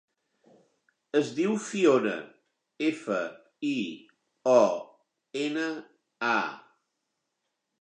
Es diu Fiona: efa, i, o, ena, a.